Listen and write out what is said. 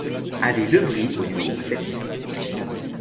Allée le Brix au numéro sept